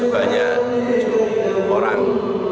banyak tujuh orang